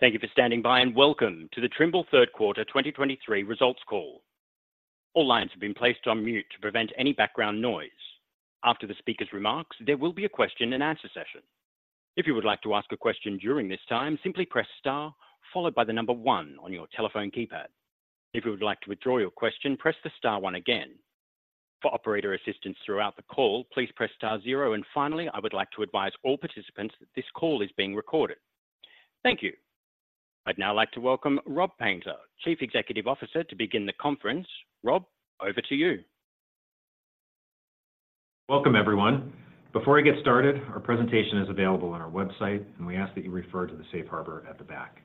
Thank you for standing by, and welcome to the Trimble third quarter 2023 results call. All lines have been placed on mute to prevent any background noise. After the speaker's remarks, there will be a question-and-answer session. If you would like to ask a question during this time, simply press star, followed by the number one on your telephone keypad. If you would like to withdraw your question, press the star one again. For operator assistance throughout the call, please press star zero. And finally, I would like to advise all participants that this call is being recorded. Thank you. I'd now like to welcome Rob Painter, Chief Executive Officer, to begin the conference. Rob, over to you. Welcome, everyone. Before I get started, our presentation is available on our website, and we ask that you refer to the Safe Harbor at the back.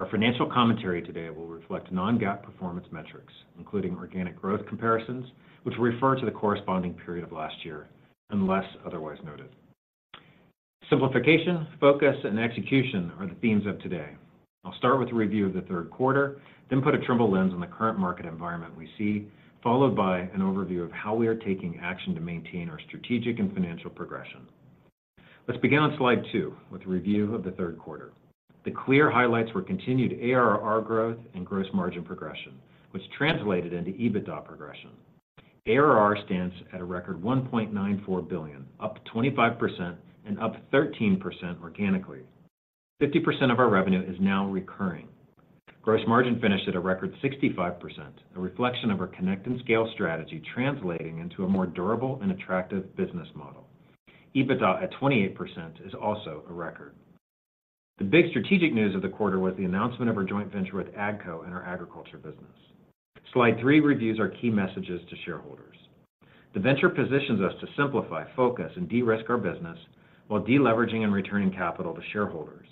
Our financial commentary today will reflect non-GAAP performance metrics, including organic growth comparisons, which refer to the corresponding period of last year, unless otherwise noted. Simplification, focus, and execution are the themes of today. I'll start with a review of the third quarter, then put a Trimble lens on the current market environment we see, followed by an overview of how we are taking action to maintain our strategic and financial progression. Let's begin on slide two with a review of the third quarter. The clear highlights were continued ARR growth and gross margin progression, which translated into EBITDA progression. ARR stands at a record $1.94 billion, up 25% and up 13% organically. 50% of our revenue is now recurring. Gross margin finished at a record 65%, a reflection of our Connect and Scale strategy, translating into a more durable and attractive business model. EBITDA at 28% is also a record. The big strategic news of the quarter was the announcement of our joint venture with AGCO in our agriculture business. Slide three reviews our key messages to shareholders. The venture positions us to simplify, focus, and de-risk our business while de-leveraging and returning capital to shareholders.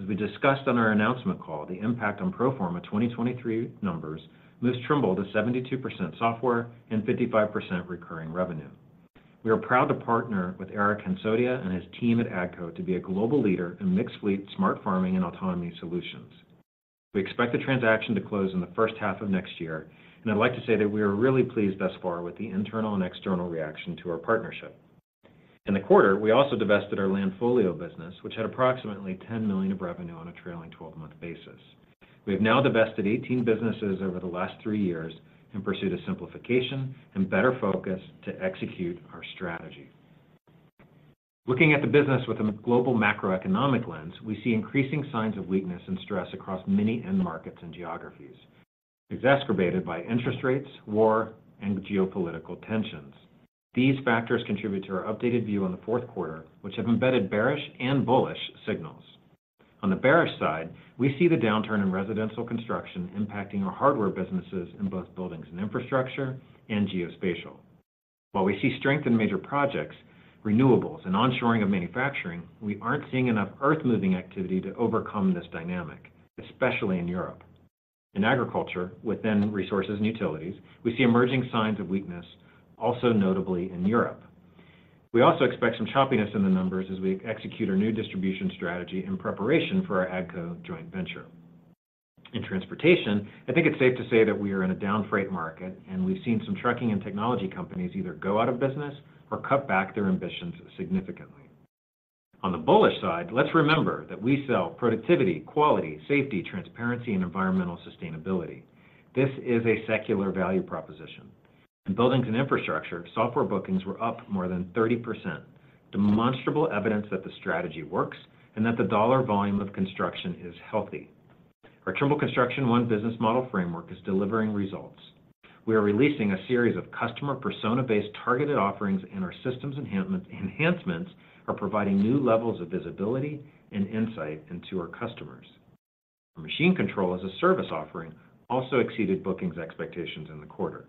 As we discussed on our announcement call, the impact on pro forma 2023 numbers moves Trimble to 72% software and 55% recurring revenue. We are proud to partner with Eric Hansotia and his team at AGCO to be a global leader in mixed fleet, smart farming, and autonomy solutions. We expect the transaction to close in the first half of next year, and I'd like to say that we are really pleased thus far with the internal and external reaction to our partnership. In the quarter, we also divested our Landfolio business, which had approximately $10 million of revenue on a trailing 12-month basis. We have now divested 18 businesses over the last three years in pursuit of simplification and better focus to execute our strategy. Looking at the business with a global macroeconomic lens, we see increasing signs of weakness and stress across many end markets and geographies, exacerbated by interest rates, war, and geopolitical tensions. These factors contribute to our updated view on the fourth quarter, which have embedded bearish and bullish signals. On the bearish side, we see the downturn in residential construction impacting our hardware businesses in both buildings and infrastructure and geospatial. While we see strength in major projects, renewables, and onshoring of manufacturing, we aren't seeing enough earthmoving activity to overcome this dynamic, especially in Europe. In agriculture, within Resources and Utilities, we see emerging signs of weakness, also notably in Europe. We also expect some choppiness in the numbers as we execute our new distribution strategy in preparation for our AGCO joint venture. In Transportation, I think it's safe to say that we are in a down freight market, and we've seen some trucking and technology companies either go out of business or cut back their ambitions significantly. On the bullish side, let's remember that we sell productivity, quality, safety, transparency, and environmental sustainability. This is a secular value proposition. In Buildings and Infrastructure, software bookings were up more than 30%, demonstrable evidence that the strategy works and that the dollar volume of construction is healthy. Our Trimble Construction One business model framework is delivering results. We are releasing a series of customer persona-based targeted offerings, and our systems enhancements are providing new levels of visibility and insight into our customers. Our Machine Control as a Service offering also exceeded bookings expectations in the quarter.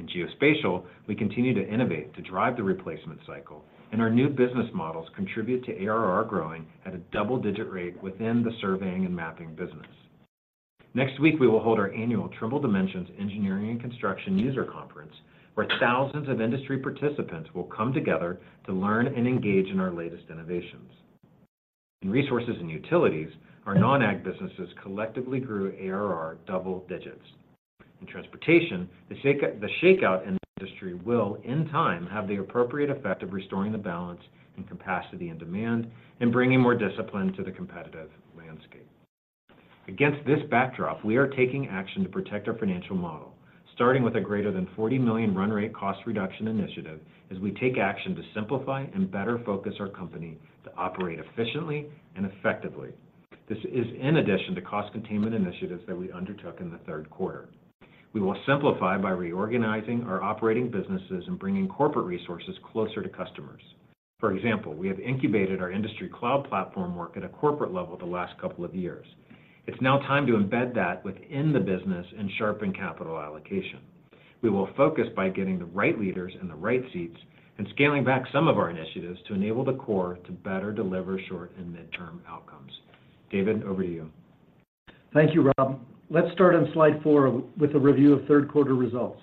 In Geospatial, we continue to innovate to drive the replacement cycle, and our new business models contribute to ARR growing at a double-digit rate within the surveying and mapping business. Next week, we will hold our Annual Trimble Dimensions Engineering and Construction User Conference, where thousands of industry participants will come together to learn and engage in our latest innovations. In Resources and Utilities, our non-Ag businesses collectively grew ARR double digits. In Transportation, the shakeout in the industry will, in time, have the appropriate effect of restoring the balance in capacity and demand and bringing more discipline to the competitive landscape. Against this backdrop, we are taking action to protect our financial model, starting with a greater than $40 million run rate cost reduction initiative as we take action to simplify and better focus our company to operate efficiently and effectively. This is in addition to cost containment initiatives that we undertook in the third quarter. We will simplify by reorganizing our operating businesses and bringing corporate resources closer to customers. For example, we have incubated our industry cloud platform work at a corporate level the last couple of years. It's now time to embed that within the business and sharpen capital allocation. We will focus by getting the right leaders in the right seats and scaling back some of our initiatives to enable the core to better deliver short and midterm outcomes. David, over to you. Thank you, Rob. Let's start on slide four with a review of third quarter results.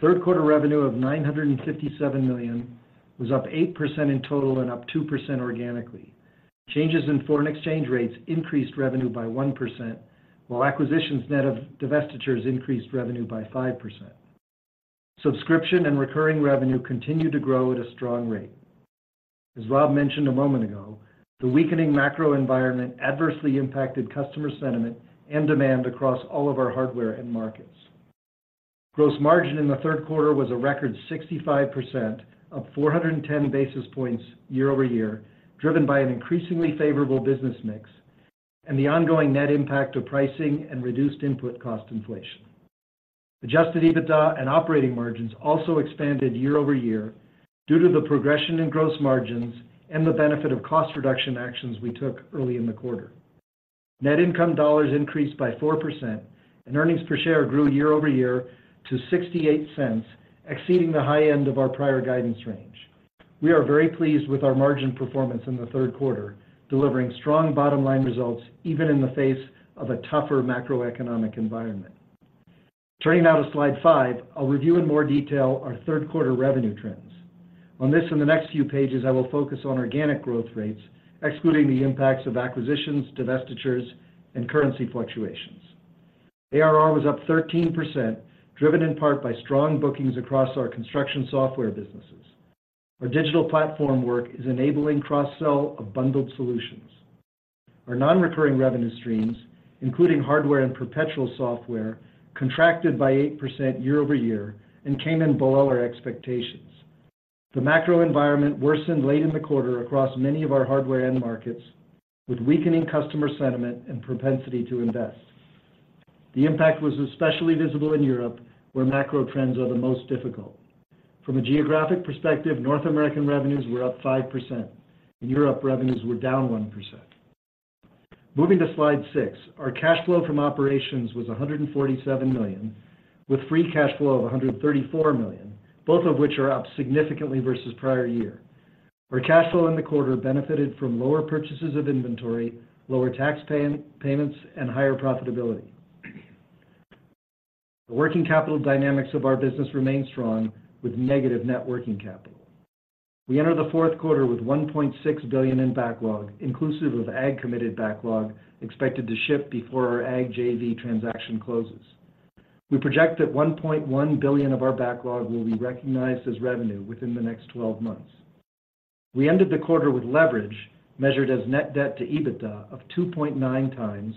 Third quarter revenue of $957 million was up 8% in total and up 2% organically. Changes in foreign exchange rates increased revenue by 1%, while acquisitions net of divestitures increased revenue by 5%. Subscription and recurring revenue continued to grow at a strong rate. As Rob mentioned a moment ago, the weakening macro environment adversely impacted customer sentiment and demand across all of our hardware and markets. Gross margin in the third quarter was a record 65%, up 410 basis points year-over-year, driven by an increasingly favorable business mix and the ongoing net impact of pricing and reduced input cost inflation. Adjusted EBITDA and operating margins also expanded year-over-year due to the progression in gross margins and the benefit of cost reduction actions we took early in the quarter. Net income dollars increased by 4%, and earnings per share grew year-over-year to $0.68, exceeding the high end of our prior guidance range. We are very pleased with our margin performance in the third quarter, delivering strong bottom-line results even in the face of a tougher macroeconomic environment. Turning now to slide five, I'll review in more detail our third quarter revenue trends. On this and the next few pages, I will focus on organic growth rates, excluding the impacts of acquisitions, divestitures, and currency fluctuations. ARR was up 13%, driven in part by strong bookings across our construction software businesses. Our digital platform work is enabling cross-sell of bundled solutions. Our non-recurring revenue streams, including hardware and perpetual software, contracted by 8% year-over-year and came in below our expectations. The macro environment worsened late in the quarter across many of our hardware end markets, with weakening customer sentiment and propensity to invest. The impact was especially visible in Europe, where macro trends are the most difficult. From a geographic perspective, North America revenues were up 5%, and Europe revenues were down 1%. Moving to slide six. Our cash flow from operations was $147 million, with free cash flow of $134 million, both of which are up significantly versus prior year. Our cash flow in the quarter benefited from lower purchases of inventory, lower tax payments, and higher profitability. The working capital dynamics of our business remain strong, with negative net working capital. We enter the fourth quarter with $1.6 billion in backlog, inclusive of Ag committed backlog, expected to ship before our Ag JV transaction closes. We project that $1.1 billion of our backlog will be recognized as revenue within the next twelve months. We ended the quarter with leverage, measured as net debt to EBITDA of 2.9x,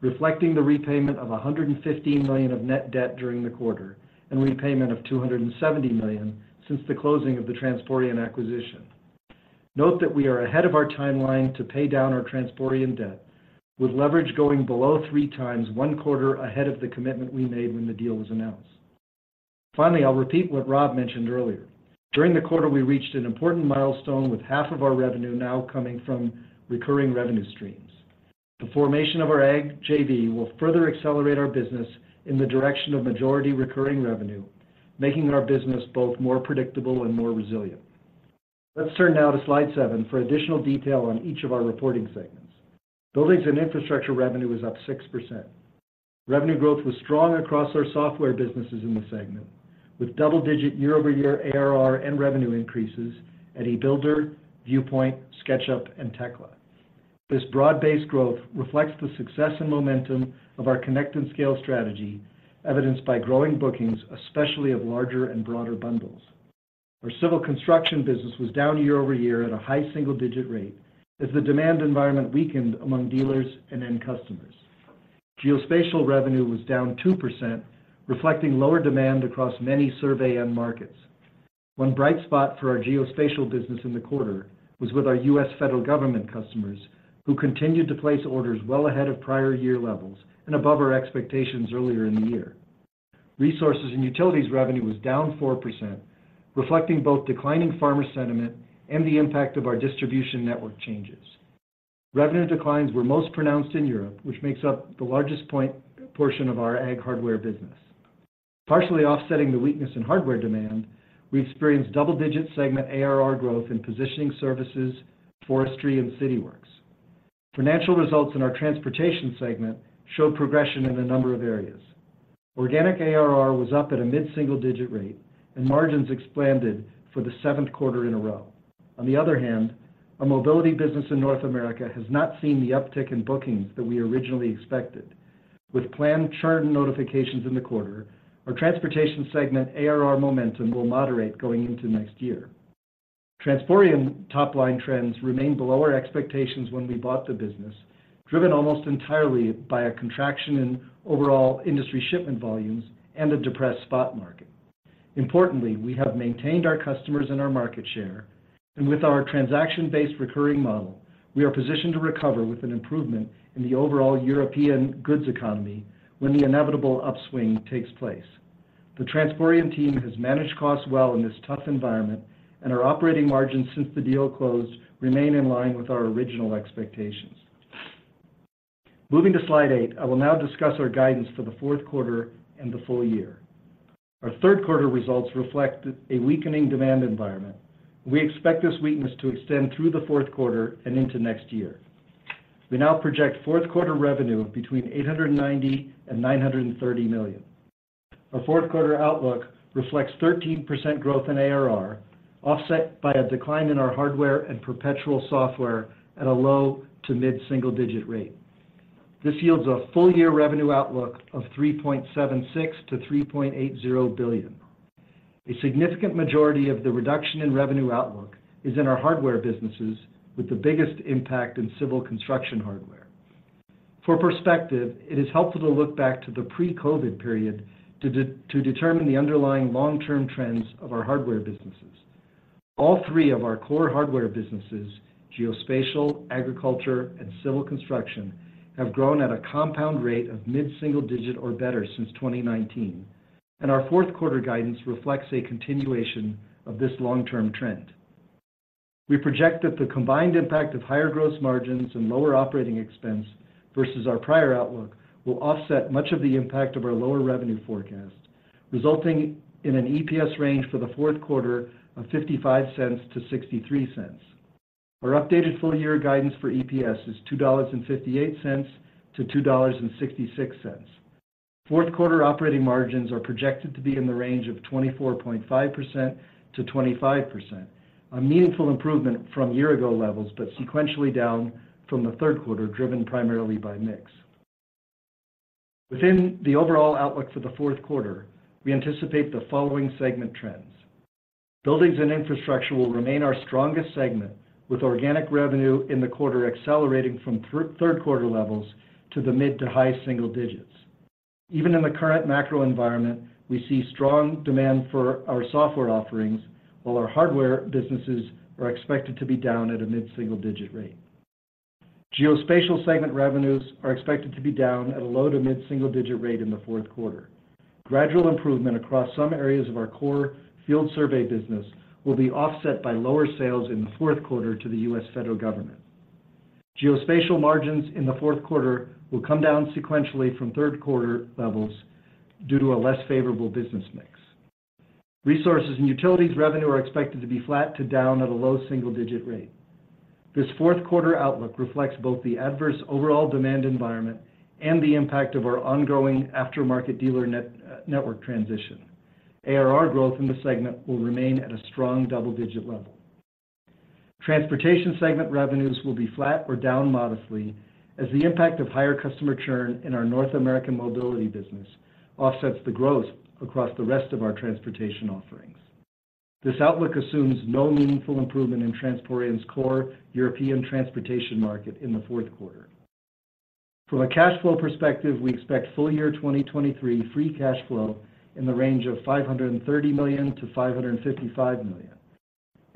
reflecting the repayment of $115 million of net debt during the quarter and repayment of $270 million since the closing of the Transporeon acquisition. Note that we are ahead of our timeline to pay down our Transporeon debt, with leverage going below 3x, one quarter ahead of the commitment we made when the deal was announced. Finally, I'll repeat what Rob mentioned earlier. During the quarter, we reached an important milestone, with half of our revenue now coming from recurring revenue streams. The formation of our Ag JV will further accelerate our business in the direction of majority recurring revenue, making our business both more predictable and more resilient. Let's turn now to slide seven for additional detail on each of our reporting segments. Buildings and Infrastructure revenue was up 6%. Revenue growth was strong across our software businesses in the segment, with double-digit year-over-year ARR and revenue increases at e-Builder, Viewpoint, SketchUp, and Tekla. This broad-based growth reflects the success and momentum of our Connect and Scale strategy, evidenced by growing bookings, especially of larger and broader bundles. Our civil construction business was down year-over-year at a high single-digit rate, as the demand environment weakened among dealers and end customers. Geospatial revenue was down 2%, reflecting lower demand across many survey end markets. One bright spot for our Geospatial business in the quarter was with our U.S. federal government customers, who continued to place orders well ahead of prior year levels and above our expectations earlier in the year. Resources and Utilities revenue was down 4%, reflecting both declining farmer sentiment and the impact of our distribution network changes. Revenue declines were most pronounced in Europe, which makes up the largest portion of our Ag hardware business. Partially offsetting the weakness in hardware demand, we experienced double-digit segment ARR growth in positioning services, forestry, and Cityworks. Financial results in our Transportation segment showed progression in a number of areas. Organic ARR was up at a mid-single-digit rate, and margins expanded for the seventh quarter in a row. On the other hand, our mobility business in North America has not seen the uptick in bookings that we originally expected. With planned charter notifications in the quarter, our Transportation segment ARR momentum will moderate going into next year. Transporeon top-line trends remain below our expectations when we bought the business, driven almost entirely by a contraction in overall industry shipment volumes and a depressed spot market. Importantly, we have maintained our customers and our market share, and with our transaction-based recurring model, we are positioned to recover with an improvement in the overall European goods economy when the inevitable upswing takes place. The Transporeon team has managed costs well in this tough environment, and our operating margins since the deal closed remain in line with our original expectations. Moving to slide eight, I will now discuss our guidance for the fourth quarter and the full year. Our third-quarter results reflect a weakening demand environment. We expect this weakness to extend through the fourth quarter and into next year. We now project fourth quarter revenue of between $890 million and $930 million. Our fourth quarter outlook reflects 13% growth in ARR, offset by a decline in our hardware and perpetual software at a low- to mid-single-digit rate. This yields a full-year revenue outlook of $3.76 billion-$3.80 billion. A significant majority of the reduction in revenue outlook is in our hardware businesses, with the biggest impact in civil construction hardware. For perspective, it is helpful to look back to the pre-COVID period to determine the underlying long-term trends of our hardware businesses. All three of our core hardware businesses, Geospatial, Agriculture, and Civil Construction, have grown at a compound rate of mid-single-digit or better since 2019, and our fourth quarter guidance reflects a continuation of this long-term trend. We project that the combined impact of higher gross margins and lower operating expense versus our prior outlook will offset much of the impact of our lower revenue forecast, resulting in an EPS range for the fourth quarter of $0.55-$0.63. Our updated full year guidance for EPS is $2.58-$2.66. Fourth quarter operating margins are projected to be in the range of 24.5%-25%, a meaningful improvement from year ago levels, but sequentially down from the third quarter, driven primarily by mix. Within the overall outlook for the fourth quarter, we anticipate the following segment trends: Buildings and Infrastructure will remain our strongest segment, with organic revenue in the quarter accelerating from third quarter levels to the mid to high single digits. Even in the current macro environment, we see strong demand for our software offerings, while our hardware businesses are expected to be down at a mid-single-digit rate. Geospatial segment revenues are expected to be down at a low to mid-single-digit rate in the fourth quarter. Gradual improvement across some areas of our core field survey business will be offset by lower sales in the fourth quarter to the U.S. federal government. Geospatial margins in the fourth quarter will come down sequentially from third quarter levels due to a less favorable business mix. Resources and Utilities revenue are expected to be flat to down at a low single-digit rate. This fourth quarter outlook reflects both the adverse overall demand environment and the impact of our ongoing aftermarket dealer network transition. ARR growth in the segment will remain at a strong double-digit level. Transportation segment revenues will be flat or down modestly as the impact of higher customer churn in our North American mobility business offsets the growth across the rest of our transportation offerings. This outlook assumes no meaningful improvement in Transporeon's core European transportation market in the fourth quarter. From a cash flow perspective, we expect full year 2023 free cash flow in the range of $530 million-$555 million.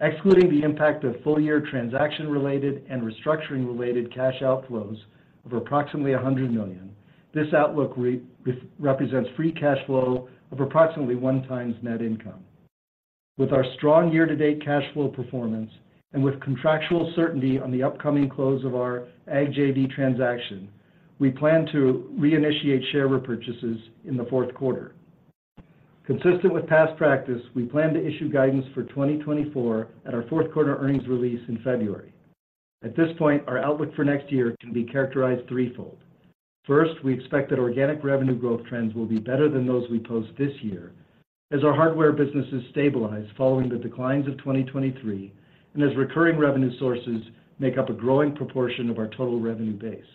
Excluding the impact of full-year transaction-related and restructuring-related cash outflows of approximately $100 million, this outlook represents free cash flow of approximately 1x net income. With our strong year-to-date cash flow performance, and with contractual certainty on the upcoming close of our Ag JV transaction, we plan to reinitiate share repurchases in the fourth quarter. Consistent with past practice, we plan to issue guidance for 2024 at our fourth quarter earnings release in February. At this point, our outlook for next year can be characterized threefold. First, we expect that organic revenue growth trends will be better than those we post this year, as our hardware businesses stabilize following the declines of 2023, and as recurring revenue sources make up a growing proportion of our total revenue base.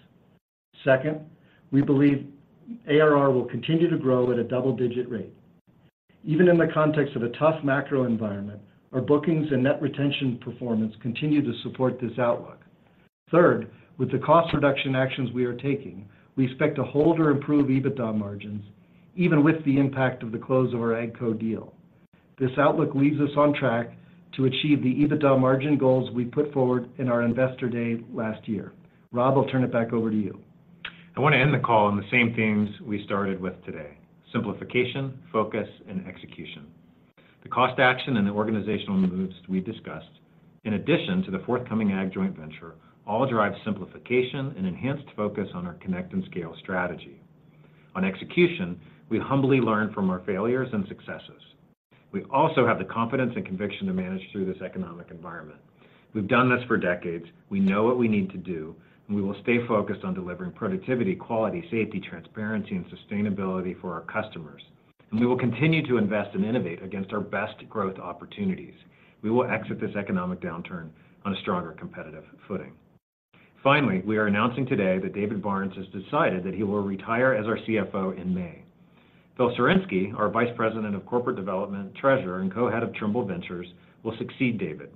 Second, we believe ARR will continue to grow at a double-digit rate. Even in the context of a tough macro environment, our bookings and net retention performance continue to support this outlook. Third, with the cost reduction actions we are taking, we expect to hold or improve EBITDA margins, even with the impact of the close of our AGCO deal. This outlook leaves us on track to achieve the EBITDA margin goals we put forward in our Investor Day last year. Rob, I'll turn it back over to you. I want to end the call on the same themes we started with today: simplification, focus, and execution. The cost action and the organizational moves we discussed, in addition to the forthcoming Ag joint venture, all drive simplification and enhanced focus on our Connect and Scale strategy. On execution, we humbly learn from our failures and successes. We also have the confidence and conviction to manage through this economic environment. We've done this for decades. We know what we need to do, and we will stay focused on delivering productivity, quality, safety, transparency, and sustainability for our customers. And we will continue to invest and innovate against our best growth opportunities. We will exit this economic downturn on a stronger competitive footing. Finally, we are announcing today that David Barnes has decided that he will retire as our CFO in May. Phil Sawarynski, our Vice President of Corporate Development, Treasurer, and Co-head of Trimble Ventures, will succeed David.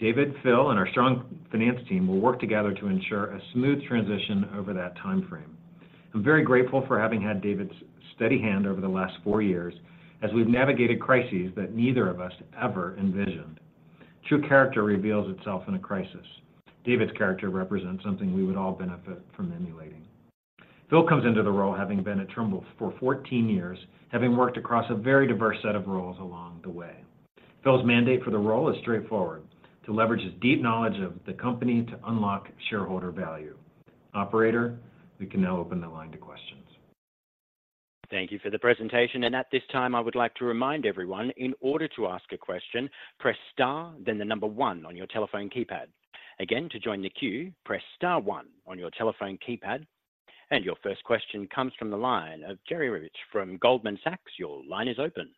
David, Phil, and our strong finance team will work together to ensure a smooth transition over that time frame. I'm very grateful for having had David's steady hand over the last four years as we've navigated crises that neither of us ever envisioned. True character reveals itself in a crisis. David's character represents something we would all benefit from emulating. Phil comes into the role having been at Trimble for 14 years, having worked across a very diverse set of roles along the way. Phil's mandate for the role is straightforward: to leverage his deep knowledge of the company to unlock shareholder value. Operator, we can now open the line to questions. Thank you for the presentation, and at this time, I would like to remind everyone, in order to ask a question, press star, then the number one on your telephone keypad. Again, to join the queue, press star one on your telephone keypad. Your first question comes from the line of Jerry Revich from Goldman Sachs. Your line is open.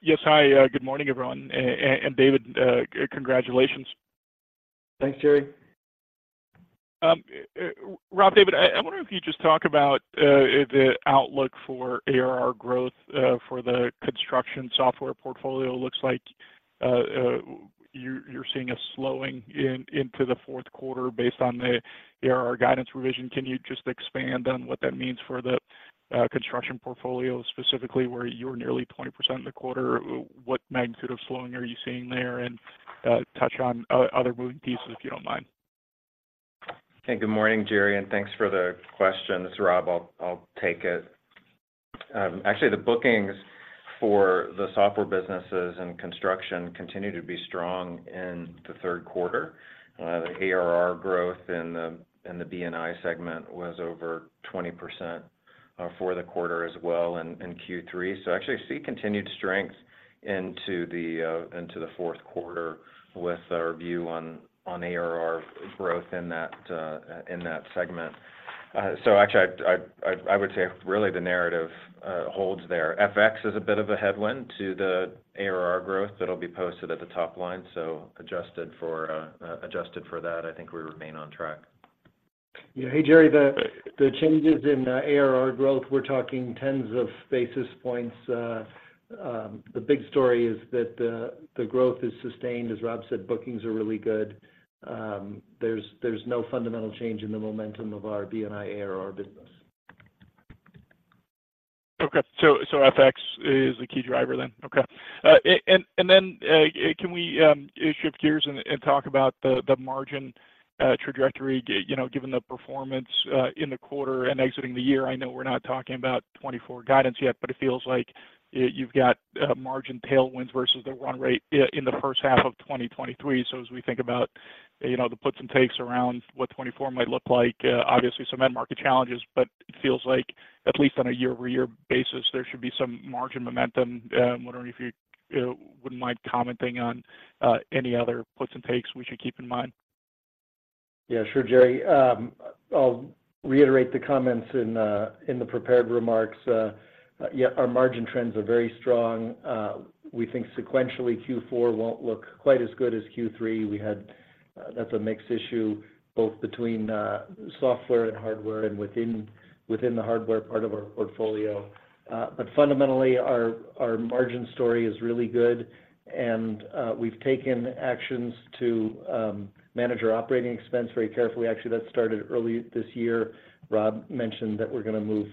Yes. Hi, good morning, everyone. And David, congratulations. Thanks, Jerry. Rob, David, I, I wonder if you could just talk about the outlook for ARR growth for the construction software portfolio. Looks like, you're seeing a slowing into the fourth quarter based on the ARR guidance revision. Can you just expand on what that means for the construction portfolio, specifically where you're nearly 20% in the quarter? What magnitude of slowing are you seeing there? And, touch on other moving pieces, if you don't mind. Okay. Good morning, Jerry, and thanks for the question. It's Rob. I'll take it. Actually, the bookings for the software businesses and construction continue to be strong in the third quarter. The ARR growth in the B&I segment was over 20%, for the quarter as well in Q3. So actually, I see continued strength into the fourth quarter with our view on ARR growth in that segment. So actually, I would say really the narrative holds there. FX is a bit of a headwind to the ARR growth that'll be posted at the top line. So adjusted for that, I think we remain on track. Yeah. Hey, Jerry, the changes in ARR growth, we're talking tens of basis points. The big story is that the growth is sustained. As Rob said, bookings are really good. There's no fundamental change in the momentum of our B&I ARR business. Okay. So FX is the key driver then? Okay. And then, can we shift gears and talk about the margin trajectory, you know, given the performance in the quarter and exiting the year? I know we're not talking about 2024 guidance yet, but it feels like you've got margin tailwinds versus the run rate in the first half of 2023. So as we think about, you know, the puts and takes around what 2024 might look like, obviously some end market challenges, but it feels like at least on a year-over-year basis, there should be some margin momentum. Wondering if you wouldn't mind commenting on any other puts and takes we should keep in mind. Yeah, sure, Jerry. I'll reiterate the comments in the prepared remarks. Yeah, our margin trends are very strong. We think sequentially, Q4 won't look quite as good as Q3. That's a mixed issue, both between software and hardware and within the hardware part of our portfolio. But fundamentally, our margin story is really good, and we've taken actions to manage our operating expense very carefully. Actually, that started early this year. Rob mentioned that we're going to move,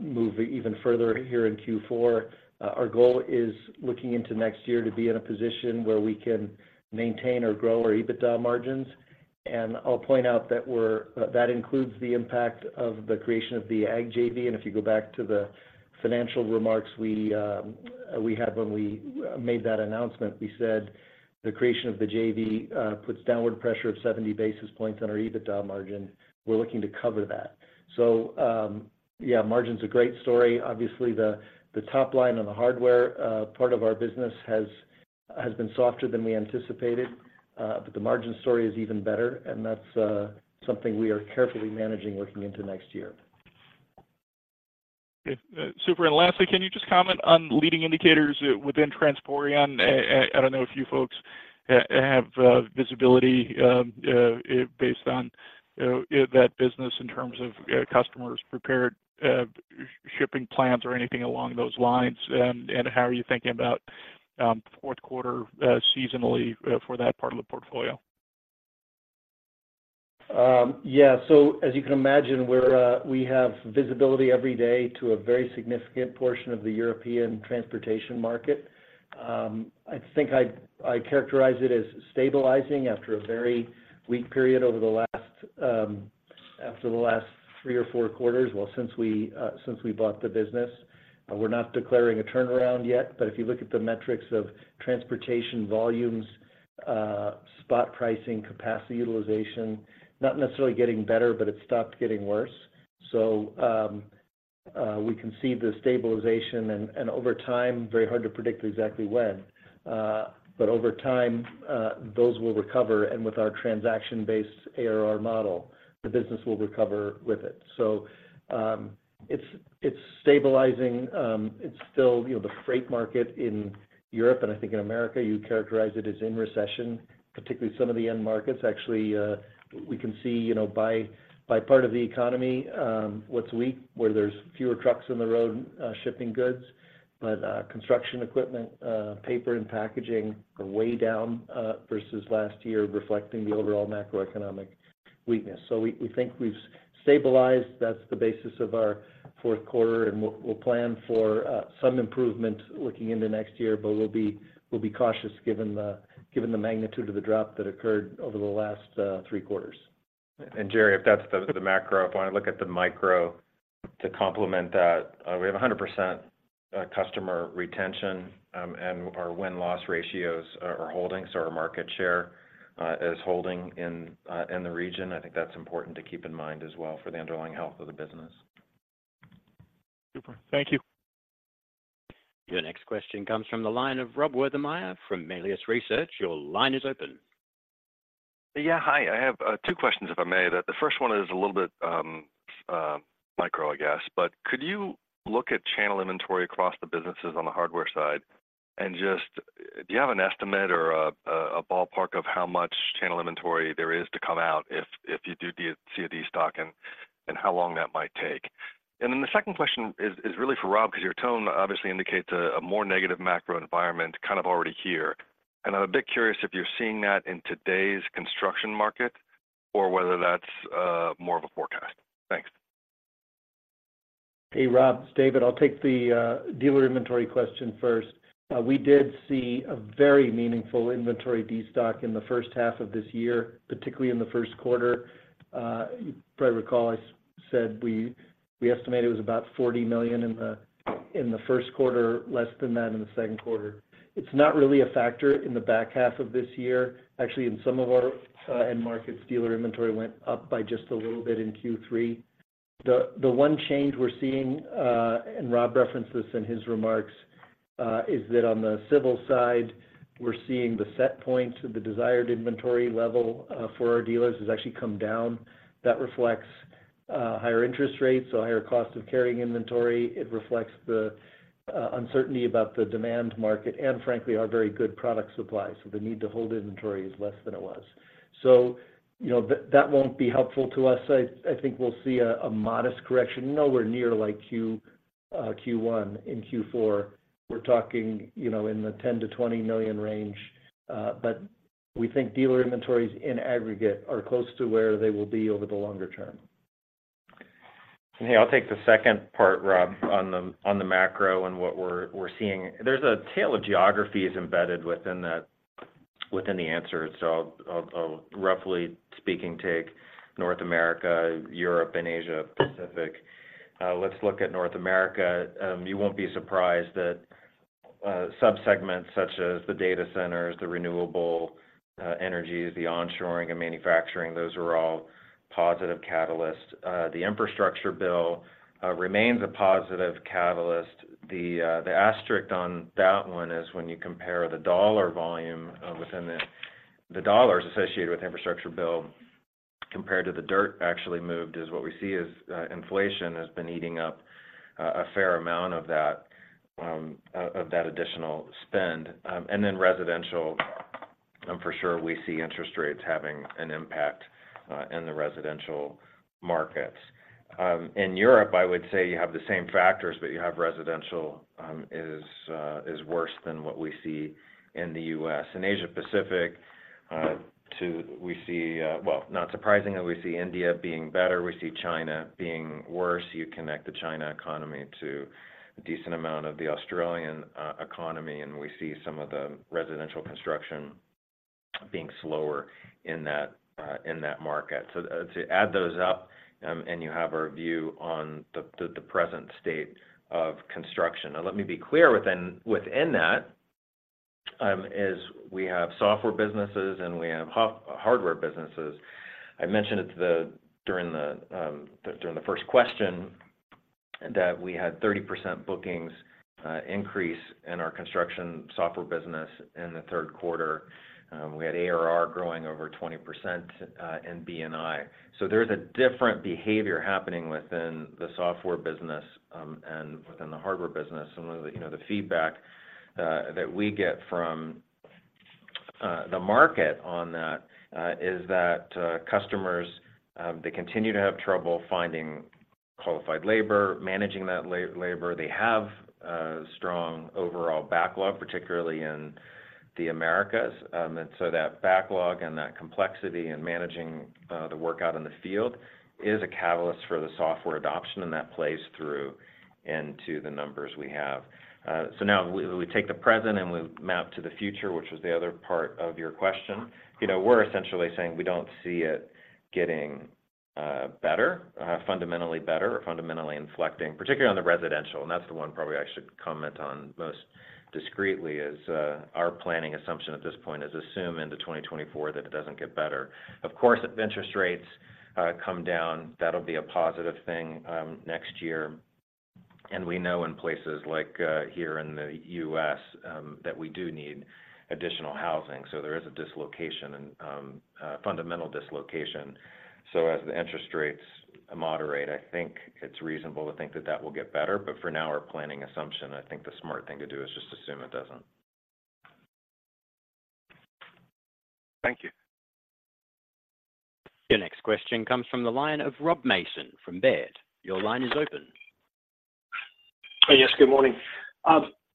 move even further here in Q4. Our goal is looking into next year to be in a position where we can maintain or grow our EBITDA margins. And I'll point out that we're - that includes the impact of the creation of the Ag JV. If you go back to the financial remarks, we had when we made that announcement, we said the creation of the JV puts downward pressure of 70 basis points on our EBITDA margin. We're looking to cover that. So, yeah, margin's a great story. Obviously, the top line on the hardware part of our business has been softer than we anticipated, but the margin story is even better, and that's something we are carefully managing looking into next year. Okay. Super. And lastly, can you just comment on leading indicators within Transporeon? I don't know if you folks have visibility based on that business in terms of customers prepared shipping plans or anything along those lines, and how are you thinking about fourth quarter seasonally for that part of the portfolio? Yeah. So as you can imagine, we have visibility every day to a very significant portion of the European transportation market. I think I'd characterize it as stabilizing after a very weak period over the last three or four quarters, well, since we bought the business. We're not declaring a turnaround yet, but if you look at the metrics of transportation volumes, spot pricing, capacity utilization, not necessarily getting better, but it stopped getting worse. So, we can see the stabilization, and over time, very hard to predict exactly when, but over time, those will recover, and with our transaction-based ARR model, the business will recover with it. So, it's stabilizing. It's still, you know, the freight market in Europe, and I think in America, you characterize it as in recession, particularly some of the end markets. Actually, we can see, you know, by, by part of the economy, what's weak, where there's fewer trucks on the road, shipping goods. But, construction equipment, paper and packaging are way down, versus last year, reflecting the overall macroeconomic weakness. So we, we think we've stabilized. That's the basis of our fourth quarter, and we'll, we'll plan for, some improvement looking into next year, but we'll be, we'll be cautious, given the, given the magnitude of the drop that occurred over the last, three quarters. Jerry, if that's the macro, if you want to look at the micro to complement that, we have 100% customer retention, and our win-loss ratios are holding, so our market share is holding in the region. I think that's important to keep in mind as well for the underlying health of the business. Super. Thank you. Your next question comes from the line of Rob Wertheimer from Melius Research. Your line is open. Yeah, hi. I have two questions, if I may. The first one is a little bit micro, I guess, but could you look at channel inventory across the businesses on the hardware side? And just, do you have an estimate or a ballpark of how much channel inventory there is to come out if you do the CI/DI stock, and how long that might take? And then the second question is really for Rob, 'cause your tone obviously indicates a more negative macro environment kind of already here. And I'm a bit curious if you're seeing that in today's construction market or whether that's more of a forecast. Thanks. Hey, Rob, it's David. I'll take the dealer inventory question first. We did see a very meaningful inventory destock in the first half of this year, particularly in the first quarter. You probably recall, I said we estimated it was about $40 million in the first quarter, less than that in the second quarter. It's not really a factor in the back half of this year. Actually, in some of our end markets, dealer inventory went up by just a little bit in Q3. The one change we're seeing, and Rob referenced this in his remarks, is that on the civil side, we're seeing the set points of the desired inventory level for our dealers has actually come down. That reflects higher interest rates, so higher cost of carrying inventory. It reflects the uncertainty about the demand market and frankly, our very good product supply, so the need to hold inventory is less than it was. So, you know, that, that won't be helpful to us. I, I think we'll see a modest correction, nowhere near like Q1 and Q4. We're talking, you know, in the $10 million-$20 million range, but we think dealer inventories in aggregate are close to where they will be over the longer term. Hey, I'll take the second part, Rob, on the macro and what we're seeing. There's a tale of geographies embedded within the answer, so I'll roughly speaking take North America, Europe, and Asia Pacific. Let's look at North America. You won't be surprised that subsegments such as the data centers, the renewable energies, the onshoring and manufacturing, those are all positive catalysts. The infrastructure bill remains a positive catalyst. The asterisk on that one is when you compare the dollar volume within the dollars associated with the infrastructure bill, compared to the dirt actually moved, is what we see is inflation has been eating up a fair amount of that additional spend. And then residential, for sure, we see interest rates having an impact in the residential markets. In Europe, I would say you have the same factors, but you have residential is worse than what we see in the U.S. In Asia Pacific, too, we see, well, not surprisingly, we see India being better, we see China being worse. You connect the China economy to a decent amount of the Australian economy, and we see some of the residential construction being slower in that market. So to add those up, and you have our view on the present state of construction. Now, let me be clear within that is we have software businesses and we have hardware businesses. I mentioned it during the first question, that we had 30% bookings increase in our construction software business in the third quarter. We had ARR growing over 20% in B&I. So there's a different behavior happening within the software business and within the hardware business. You know, the feedback that we get from the market on that is that customers, they continue to have trouble finding qualified labor, managing that labor. They have strong overall backlog, particularly in the Americas. So that backlog and that complexity in managing the workout in the field is a catalyst for the software adoption, and that plays through into the numbers we have. So now we take the present, and we map to the future, which was the other part of your question. You know, we're essentially saying we don't see it getting better, fundamentally better or fundamentally inflecting, particularly on the residential, and that's the one probably I should comment on most discreetly, is our planning assumption at this point is assume into 2024, that it doesn't get better. Of course, if interest rates come down, that'll be a positive thing next year. And we know in places like here in the U.S., that we do need additional housing, so there is a dislocation and a fundamental dislocation. So as the interest rates moderate, I think it's reasonable to think that that will get better. But for now, our planning assumption, I think the smart thing to do is just assume it doesn't. Thank you. Your next question comes from the line of Rob Mason from Baird. Your line is open. Yes, good morning.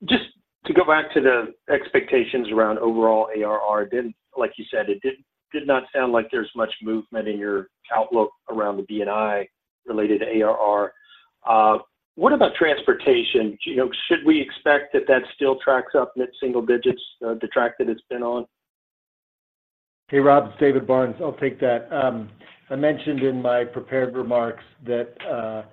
Just to go back to the expectations around overall ARR, like you said, it did not sound like there's much movement in your outlook around the B&I-related ARR. What about transportation? You know, should we expect that that still tracks up mid-single digits, the track that it's been on? Hey, Rob, it's David Barnes. I'll take that. I mentioned in my prepared remarks that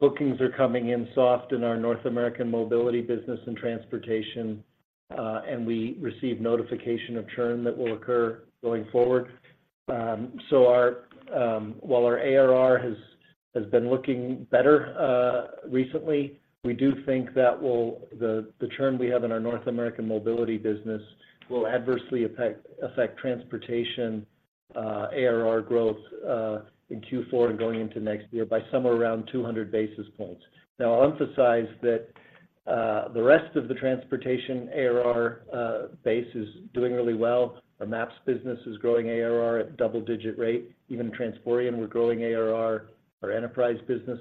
bookings are coming in soft in our North American mobility business and transportation, and we received notification of churn that will occur going forward. While our ARR has been looking better recently, we do think that the churn we have in our North American mobility business will adversely affect transportation ARR growth in Q4 and going into next year by somewhere around 200 basis points. Now I'll emphasize that the rest of the transportation ARR base is doing really well. Our maps business is growing ARR at double-digit rate. Even Transporeon, we're growing ARR. Our enterprise business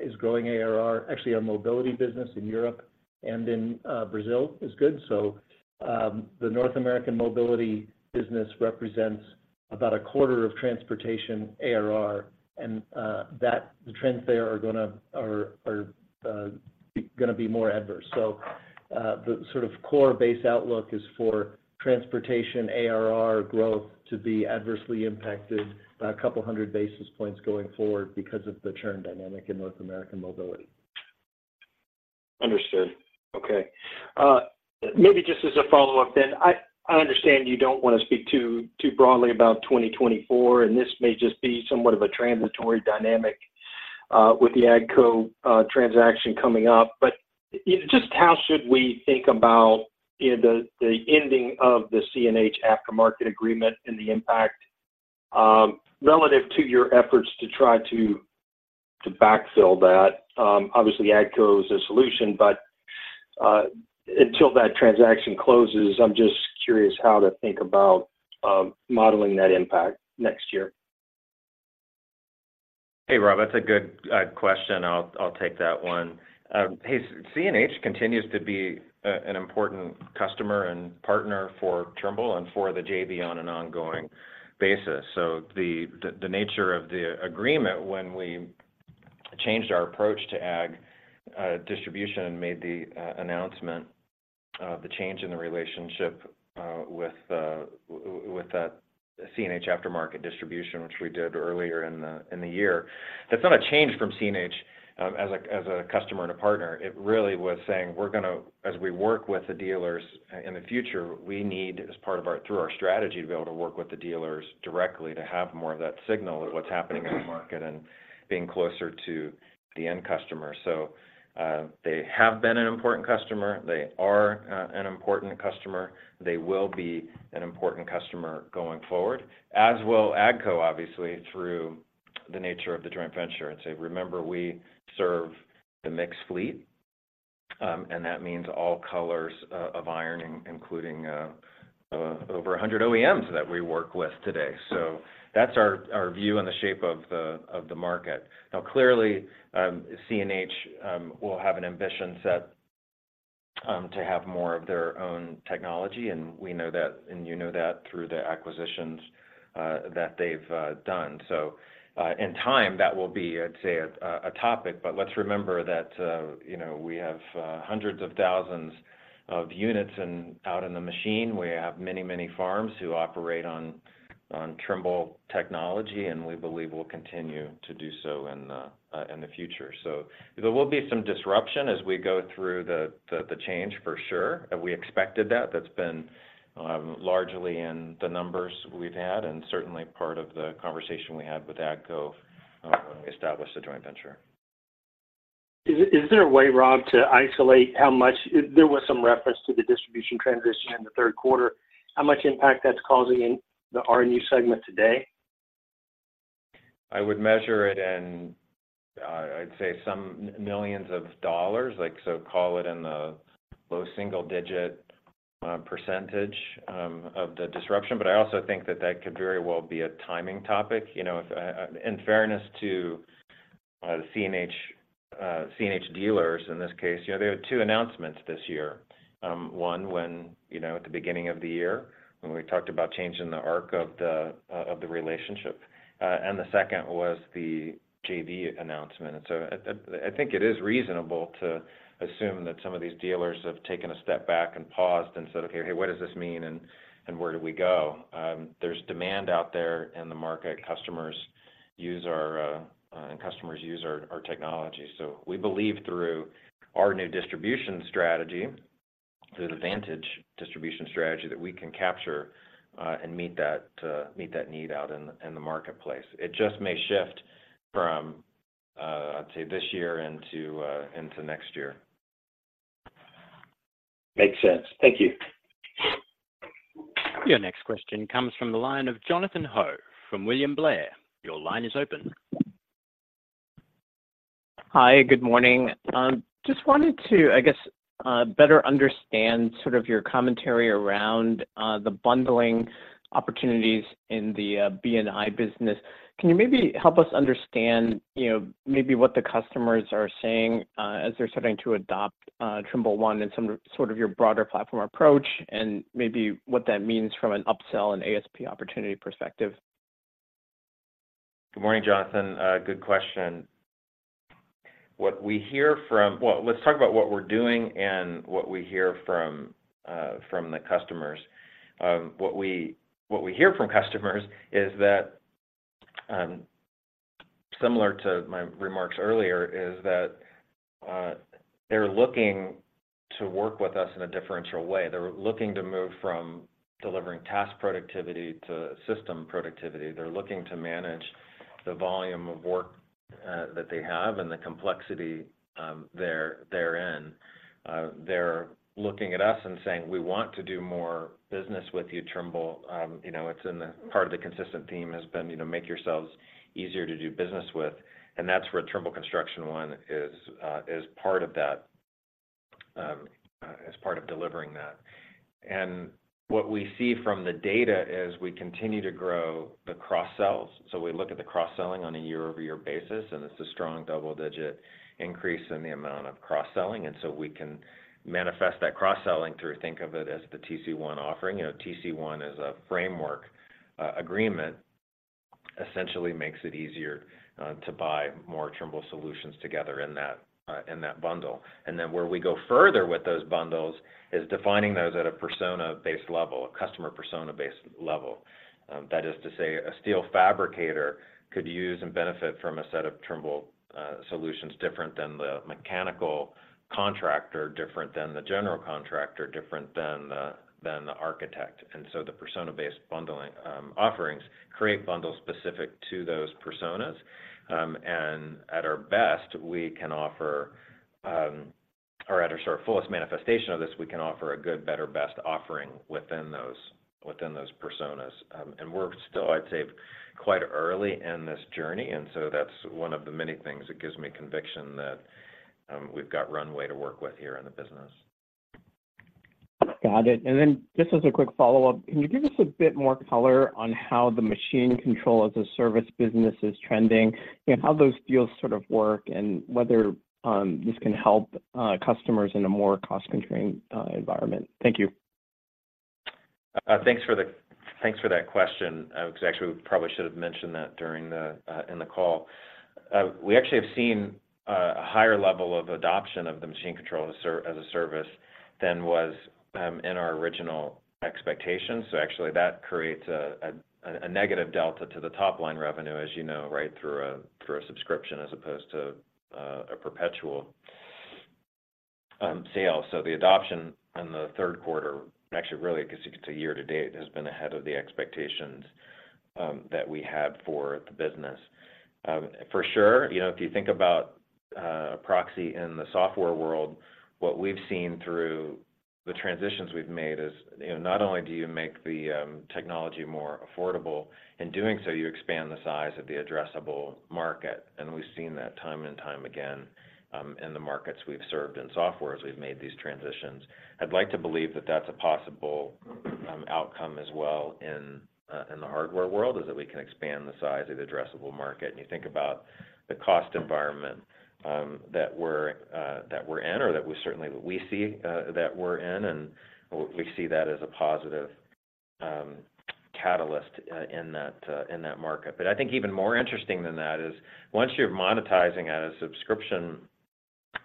is growing ARR. Actually, our mobility business in Europe and in Brazil is good. So, the North American mobility business represents about a quarter of transportation ARR, and the trends there are gonna be more adverse. So, the sort of core base outlook is for transportation ARR growth to be adversely impacted by a couple of hundred basis points going forward because of the churn dynamic in North American mobility. Understood. Okay. Maybe just as a follow-up then, I understand you don't want to speak too, too broadly about 2024, and this may just be somewhat of a transitory dynamic with the AGCO transaction coming up. But just how should we think about, you know, the ending of the CNH aftermarket agreement and the impact relative to your efforts to try to backfill that? Obviously, AGCO is a solution, but until that transaction closes, I'm just curious how to think about modeling that impact next year. Hey, Rob, that's a good question. I'll take that one. Hey, CNH continues to be an important customer and partner for Trimble and for the JV on an ongoing basis. So the nature of the agreement when we changed our approach to ag distribution and made the announcement of the change in the relationship with that CNH aftermarket distribution, which we did earlier in the year, that's not a change from CNH as a customer and a partner. It really was saying we're gonna as we work with the dealers in the future, we need, as part of our through our strategy, to be able to work with the dealers directly to have more of that signal of what's happening in the market and being closer to the end customer. So, they have been an important customer, they are an important customer, they will be an important customer going forward, as will AGCO, obviously, through the nature of the joint venture. So remember, we serve the mixed fleet, and that means all colors of iron, including over 100 OEMs that we work with today. So that's our view on the shape of the market. Now, clearly, CNH will have an ambition set to have more of their own technology, and we know that, and you know that through the acquisitions that they've done. So, in time, that will be, I'd say, a topic, but let's remember that, you know, we have hundreds of thousands of units out in the machine. We have many, many farms who operate on Trimble technology, and we believe will continue to do so in the future. So there will be some disruption as we go through the change, for sure, and we expected that. That's been largely in the numbers we've had and certainly part of the conversation we had with AGCO when we established the joint venture. Is there a way, Rob, to isolate how much, if there was some reference to the distribution transition in the third quarter, how much impact that's causing in the R&U segment today? I would measure it in. I'd say some millions of dollars, like, so call it in the low single-digit percentage of the disruption. But I also think that that could very well be a timing topic. You know, in fairness to CNH, CNH dealers in this case, you know, there were two announcements this year. One, when, you know, at the beginning of the year, when we talked about changing the arc of the of the relationship, and the second was the JV announcement. And so at the I think it is reasonable to assume that some of these dealers have taken a step back and paused and said, "Okay, hey, what does this mean, and, and where do we go?" There's demand out there in the market. Customers use our, and customers use our, our technology. We believe through our new distribution strategy, the advantage distribution strategy, that we can capture and meet that need out in the marketplace. It just may shift from, I'd say, this year into next year. Makes sense. Thank you. Your next question comes from the line of Jonathan Ho from William Blair. Your line is open. Hi, good morning. Just wanted to, I guess, better understand sort of your commentary around the bundling opportunities in the B&I business. Can you maybe help us understand, you know, maybe what the customers are saying as they're starting to adopt Trimble One and some sort of your broader platform approach, and maybe what that means from an upsell and ASP opportunity perspective? Good morning, Jonathan. Good question. Well, let's talk about what we're doing and what we hear from the customers. What we hear from customers is that, similar to my remarks earlier, is that, they're looking to work with us in a differential way. They're looking to move from delivering task productivity to system productivity. They're looking to manage the volume of work that they have and the complexity therein. They're looking at us and saying, "We want to do more business with you, Trimble." You know, it's part of the consistent theme has been, you know, make yourselves easier to do business with, and that's where Trimble Construction One is part of that, as part of delivering that. What we see from the data is we continue to grow the cross-sells. So we look at the cross-selling on a year-over-year basis, and it's a strong double-digit increase in the amount of cross-selling. And so we can manifest that cross-selling through, think of it as the TC1 offering. You know, TC1 is a framework. Agreement essentially makes it easier to buy more Trimble solutions together in that, in that bundle. And then where we go further with those bundles is defining those at a persona-based level, a customer persona-based level. That is to say, a steel fabricator could use and benefit from a set of Trimble solutions different than the mechanical contractor, different than the general contractor, different than the, than the architect. And so the persona-based bundling offerings create bundles specific to those personas. And at our best, we can offer, or at our sort of fullest manifestation of this, we can offer a good, better, best offering within those personas. And we're still, I'd say, quite early in this journey, and so that's one of the many things that gives me conviction that we've got runway to work with here in the business. Got it. And then just as a quick follow-up, can you give us a bit more color on how the Machine Control as a Service business is trending, you know, how those deals sort of work, and whether this can help customers in a more cost-constrained environment? Thank you. Thanks for that question. Because actually we probably should have mentioned that during the in the call. We actually have seen a higher level of adoption of the Machine Control as a Service than was in our original expectations. So actually, that creates a negative delta to the top-line revenue, as you know, right, through a subscription as opposed to a perpetual sale. So the adoption in the third quarter, actually, really, I guess, you could say year to date, has been ahead of the expectations that we had for the business. For sure, you know, if you think about a proxy in the software world, what we've seen through the transitions we've made is, you know, not only do you make the technology more affordable, in doing so, you expand the size of the addressable market, and we've seen that time and time again in the markets we've served in software as we've made these transitions. I'd like to believe that that's a possible outcome as well in the hardware world, is that we can expand the size of the addressable market. And you think about the cost environment that we're that we're in or that we certainly, we see that we're in, and we see that as a positive catalyst in that market. But I think even more interesting than that is, once you're monetizing at a subscription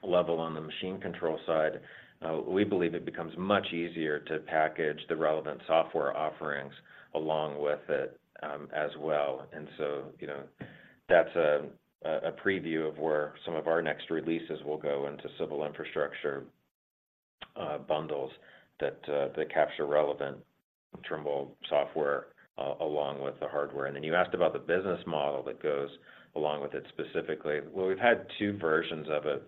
level on the machine control side, we believe it becomes much easier to package the relevant software offerings along with it, as well. And so, you know, that's a preview of where some of our next releases will go into civil infrastructure bundles that capture relevant Trimble software along with the hardware. And then you asked about the business model that goes along with it specifically. Well, we've had two versions of it.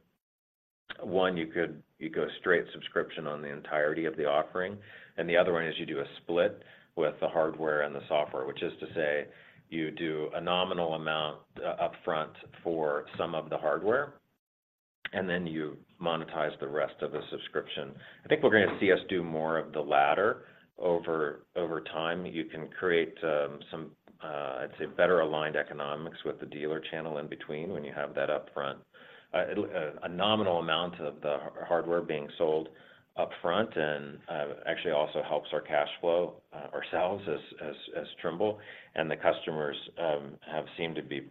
One, you could—you go straight subscription on the entirety of the offering, and the other one is you do a split with the hardware and the software, which is to say you do a nominal amount upfront for some of the hardware, and then you monetize the rest of the subscription. I think we're gonna see us do more of the latter over time. You can create some I'd say better-aligned economics with the dealer channel in between when you have that upfront. A nominal amount of the hardware being sold upfront and actually also helps our cash flow ourselves as Trimble. And the customers have seemed to be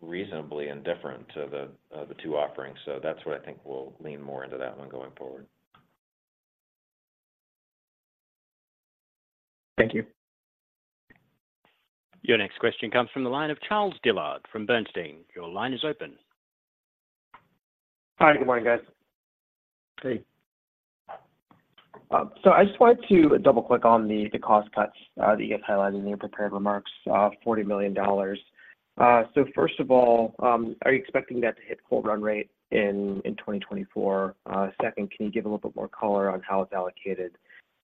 reasonably indifferent to the two offerings, so that's what I think we'll lean more into that one going forward. Thank you. Your next question comes from the line of Chad Dillard from Bernstein. Your line is open. Hi, good morning, guys. Hey. So I just wanted to double-click on the cost cuts that you guys highlighted in your prepared remarks, $40 million. So first of all, are you expecting that to hit full run rate in 2024? Second, can you give a little bit more color on how it's allocated?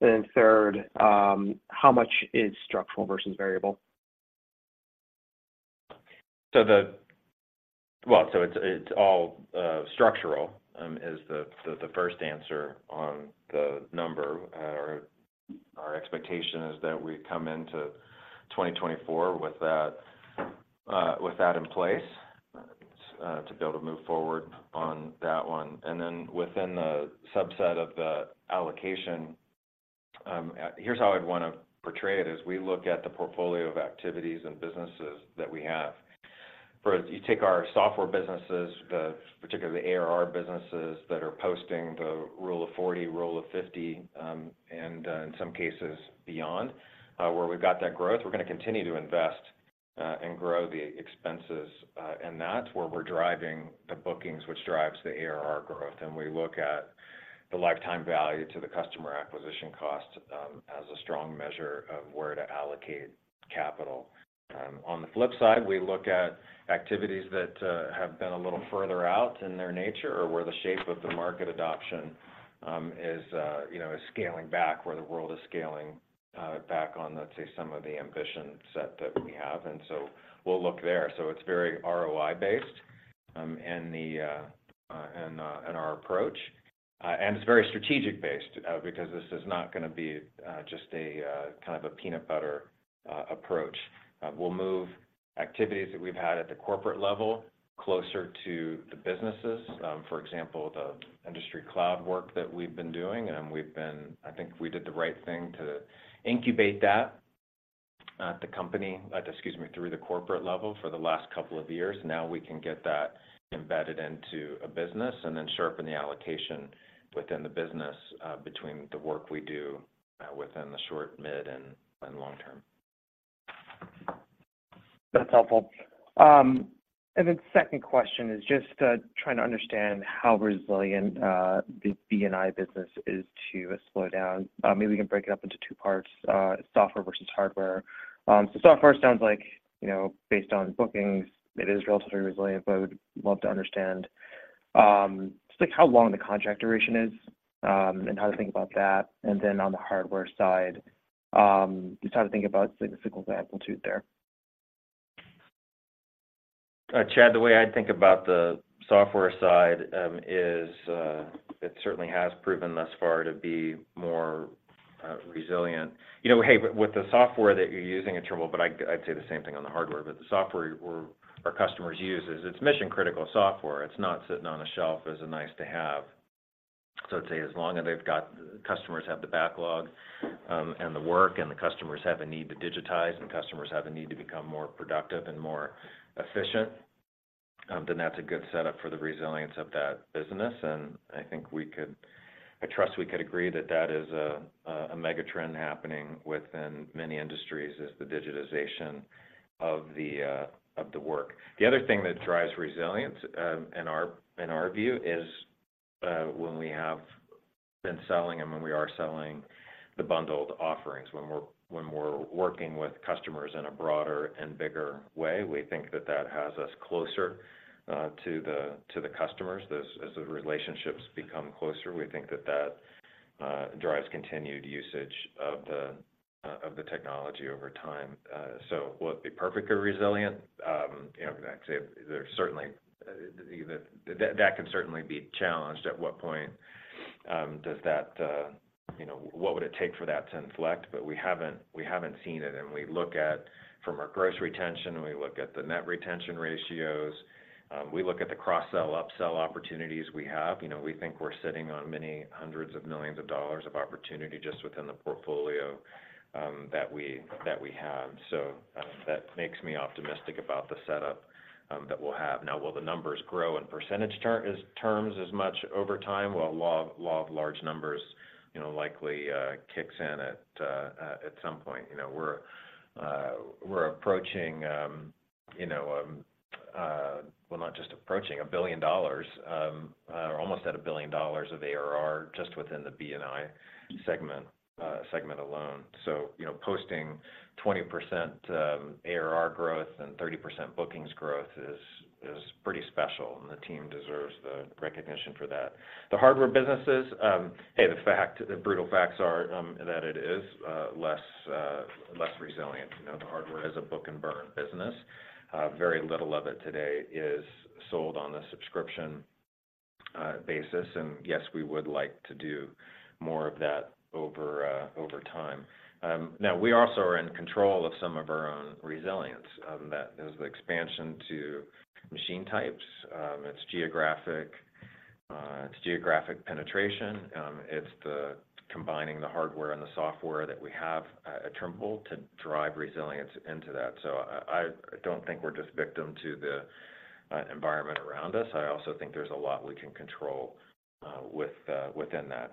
And then third, how much is structural versus variable? So, well, so it's all structural is the first answer on the number. Our expectation is that we come into 2024 with that in place to be able to move forward on that one. And then within the subset of the allocation, here's how I'd want to portray it, is we look at the portfolio of activities and businesses that we have. For you take our software businesses, particularly the ARR businesses that are posting the Rule of 40, Rule of 50, and in some cases beyond, where we've got that growth, we're gonna continue to invest and grow the expenses. And that's where we're driving the bookings, which drives the ARR growth. We look at the lifetime value to the customer acquisition cost as a strong measure of where to allocate capital. On the flip side, we look at activities that have been a little further out in their nature or where the shape of the market adoption is, you know, is scaling back, where the world is scaling back on, let's say, some of the ambition set that we have, and so we'll look there. It's very ROI-based in our approach. It's very strategic-based because this is not gonna be just a kind of a peanut butter approach. We'll move activities that we've had at the corporate level closer to the businesses, for example, the industry cloud work that we've been doing. I think we did the right thing to incubate that at the company, excuse me, through the corporate level for the last couple of years. Now we can get that embedded into a business and then sharpen the allocation within the business, between the work we do within the short, mid, and long term. That's helpful. Then second question is just trying to understand how resilient the B&I business is to a slowdown. Maybe we can break it up into two parts, software versus hardware. So software sounds like, you know, based on bookings, it is relatively resilient, but I would love to understand just like how long the contract duration is, and how to think about that. And then on the hardware side, just how to think about the signal's amplitude there. Chad, the way I think about the software side is it certainly has proven thus far to be more resilient. You know, hey, with the software that you're using at Trimble, but I'd say the same thing on the hardware, but the software our customers use is. It's mission-critical software. It's not sitting on a shelf as a nice-to-have. So I'd say as long as they've got customers have the backlog and the work, and the customers have a need to digitize, and customers have a need to become more productive and more efficient, then that's a good setup for the resilience of that business. And I think we could. I trust we could agree that that is a mega trend happening within many industries, is the digitization of the work. The other thing that drives resilience in our view is when we have been selling and when we are selling the bundled offerings, when we're working with customers in a broader and bigger way, we think that that has us closer to the customers. This, as the relationships become closer, we think that that drives continued usage of the technology over time. So will it be perfectly resilient? You know, I'd say there's certainly that that can certainly be challenged. At what point does that, you know, what would it take for that to inflect? But we haven't seen it, and we look at from our gross retention, and we look at the net retention ratios, we look at the cross-sell, upsell opportunities we have. You know, we think we're sitting on many hundreds of millions of dollars of opportunity just within the portfolio that we have. So, that makes me optimistic about the setup that we'll have. Now, will the numbers grow in percentage terms as much over time? Well, law of large numbers, you know, likely kicks in at some point. You know, we're approaching, well, not just approaching a billion dollars, we're almost at a billion dollars of ARR just within the B&I segment alone. So, you know, posting 20% ARR growth and 30% bookings growth is pretty special, and the team deserves the recognition for that. The hardware businesses, the brutal facts are that it is less resilient. You know, the hardware is a book-and-burn business. Very little of it today is sold on a subscription basis. And yes, we would like to do more of that over time. Now we also are in control of some of our own resilience, that is the expansion to machine types, it's geographic penetration, it's the combining the hardware and the software that we have at Trimble to drive resilience into that. So I don't think we're just victim to the environment around us. I also think there's a lot we can control within that.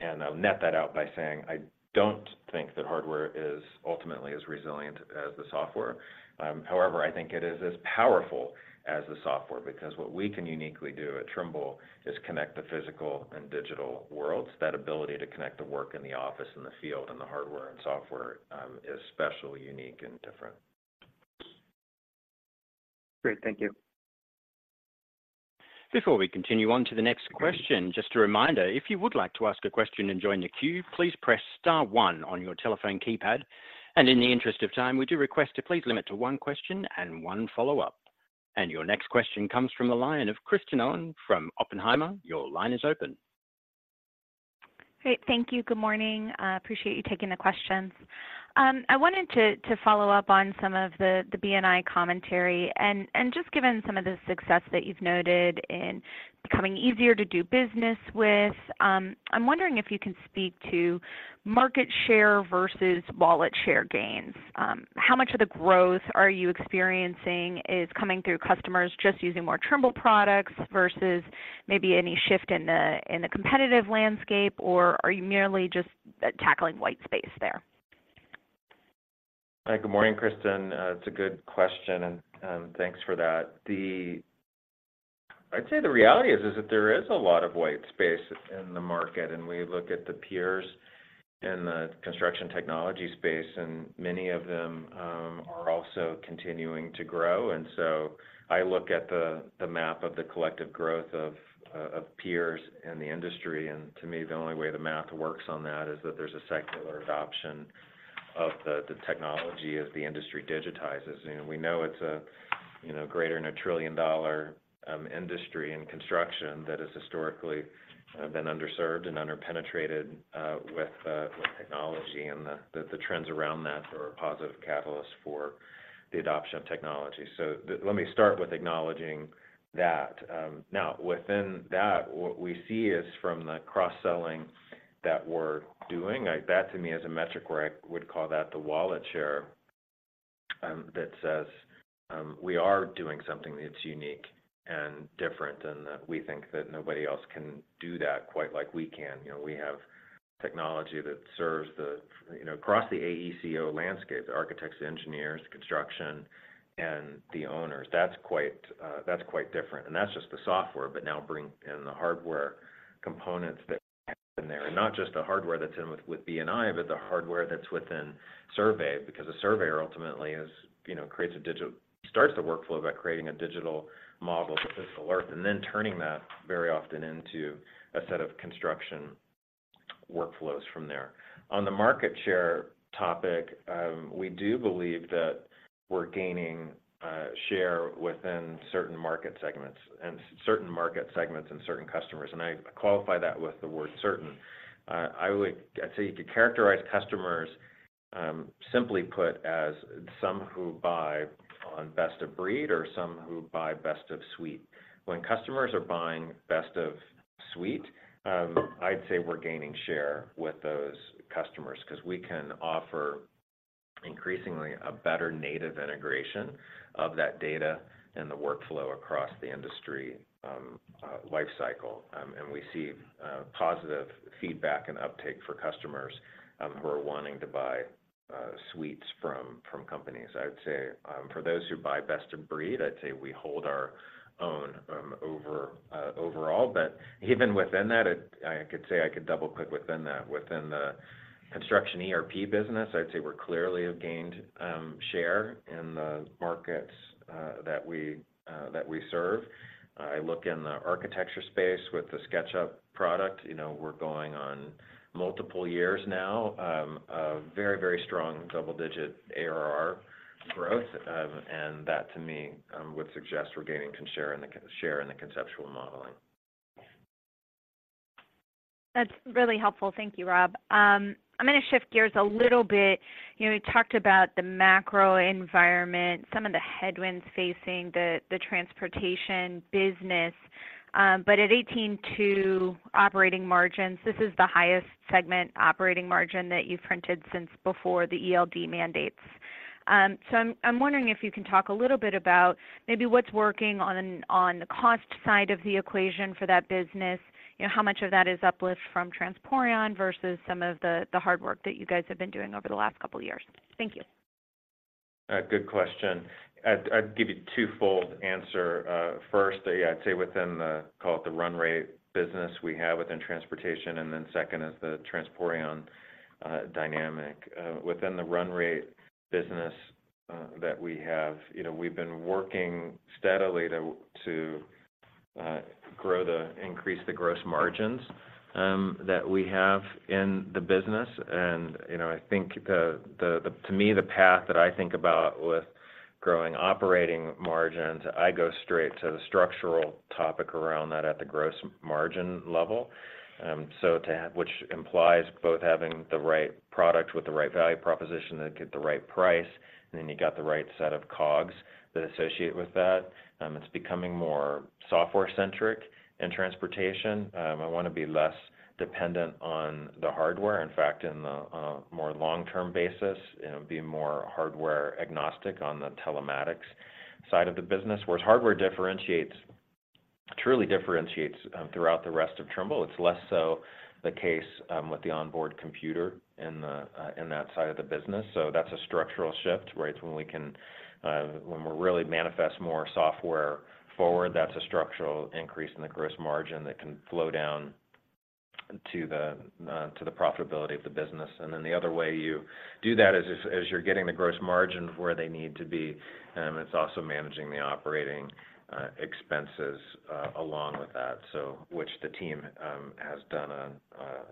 And I'll net that out by saying, I don't think that hardware is ultimately as resilient as the software. However, I think it is as powerful as the software, because what we can uniquely do at Trimble is connect the physical and digital worlds. That ability to connect the work in the office and the field, and the hardware and software, is especially unique and different. Great. Thank you. Before we continue on to the next question, just a reminder, if you would like to ask a question and join the queue, please press star one on your telephone keypad, and in the interest of time, we do request to please limit to one question and one follow-up. Your next question comes from the line of Kristen Owen from Oppenheimer. Your line is open. Great. Thank you. Good morning. Appreciate you taking the questions. I wanted to follow up on some of the B&I commentary, and just given some of the success that you've noted in becoming easier to do business with, I'm wondering if you can speak to market share versus wallet share gains. How much of the growth are you experiencing is coming through customers just using more Trimble products versus maybe any shift in the competitive landscape, or are you merely just tackling white space there? Hi, good morning, Kristen. It's a good question, and thanks for that. The reality is that there is a lot of white space in the market, and we look at the peers in the construction technology space, and many of them are also continuing to grow. And so I look at the map of the collective growth of peers in the industry, and to me, the only way the math works on that is that there's a secular adoption of the technology as the industry digitizes. You know, we know it's a, you know, greater than a trillion dollar industry in construction that has historically been underserved and underpenetrated with technology. And the trends around that are a positive catalyst for the adoption of technology. So let me start with acknowledging that. Now, within that, what we see is from the cross-selling that we're doing, like, that to me is a metric where I would call that the wallet share, that says, we are doing something that's unique and different, and that we think that nobody else can do that quite like we can. You know, we have technology that serves the, you know, across the AECO landscape, the Architects, Engineers, Construction, and the Owners. That's quite, that's quite different, and that's just the software, but now bring in the hardware components that in there. And not just the hardware that's in with, with B&I but the hardware that's within survey. Because a surveyor ultimately is, you know, starts the workflow by creating a digital model of the physical earth, and then turning that very often into a set of construction workflows from there. On the market share topic, we do believe that we're gaining share within certain market segments, and certain market segments and certain customers, and I qualify that with the word certain. I would—I'd say, to characterize customers, simply put, as some who buy on best of breed or some who buy best of suite. When customers are buying best of suite, I'd say we're gaining share with those customers, 'cause we can offer increasingly a better native integration of that data and the workflow across the industry life cycle. And we see positive feedback and uptake for customers who are wanting to buy suites from, from companies. I would say, for those who buy best of breed, I'd say we hold our own over overall. But even within that, I could say I could double-click within that. Within the construction ERP business, I'd say we're clearly have gained share in the markets that we serve. I look in the architecture space with the SketchUp product, you know, we're going on multiple years now of very, very strong double-digit ARR growth. And that, to me, would suggest we're gaining share in the conceptual modeling. That's really helpful. Thank you, Rob. I'm gonna shift gears a little bit. You know, you talked about the macro environment, some of the headwinds facing the transportation business. But at 18.2% operating margins, this is the highest segment operating margin that you've printed since before the ELD mandates. So I'm wondering if you can talk a little bit about maybe what's working on the cost side of the equation for that business. You know, how much of that is uplift from Transporeon versus some of the hard work that you guys have been doing over the last couple of years? Thank you. Good question. I'd give you a twofold answer. First, I'd say within the, call it the run rate business we have within transportation, and then second is the Transporeon dynamic. Within the run rate business that we have, you know, we've been working steadily to increase the gross margins that we have in the business. You know, I think to me, the path that I think about with growing operating margins, I go straight to the structural topic around that at the gross margin level. So to have, which implies both having the right product with the right value proposition, that get the right price, and then you got the right set of COGS that associate with that. It's becoming more software-centric in transportation. I want to be less dependent on the hardware. In fact, in the, on a more long-term basis, you know, be more hardware agnostic on the telematics side of the business. Whereas hardware differentiates, truly differentiates, throughout the rest of Trimble, it's less so the case, with the onboard computer in the, in that side of the business. So that's a structural shift, right? It's when we can, when we're really manifest more software forward, that's a structural increase in the gross margin that can flow down to the, to the profitability of the business. And then the other way you do that is as you're getting the gross margin where they need to be, it's also managing the operating expenses along with that, so which the team has done a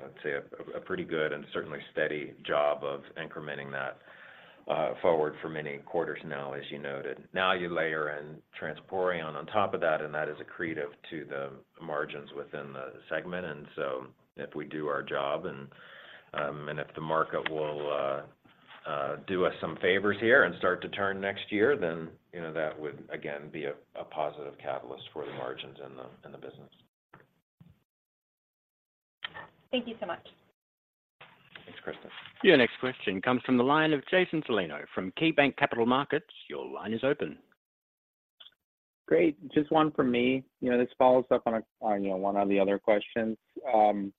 let's say a pretty good and certainly steady job of incrementing that forward for many quarters now, as you noted. Now, you layer in Transporeon on top of that, and that is accretive to the margins within the segment. And so if we do our job and if the market will do us some favors here and start to turn next year, then you know that would again be a positive catalyst for the margins in the business. Thank you so much. Thanks, Kristen. Your next question comes from the line of Jason Celino from KeyBanc Capital Markets. Your line is open. Great. Just one from me. You know, this follows up on, you know, one of the other questions. You